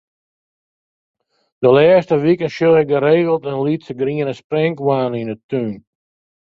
De lêste wiken sjoch ik geregeld in lytse griene sprinkhoanne yn 'e tún.